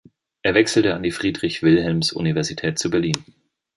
Er wechselte an die Friedrich-Wilhelms-Universität zu Berlin.